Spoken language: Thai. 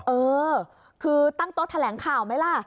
เออคือตั้งโต๊ะแถลงข่าวไหมล่ะ